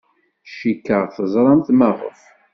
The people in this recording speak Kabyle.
Cikkeɣ teẓramt maɣef.